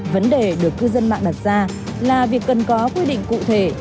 vấn đề được cư dân mạng đặt ra là việc cần có quy định cụ thể